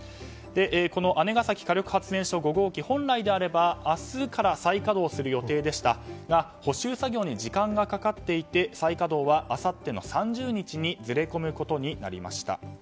この姉崎火力発電所５号機は本来であれば明日から再稼働する予定でしたが補修作業に時間がかかっていて再稼働はあさって３０日にずれ込むことになりました。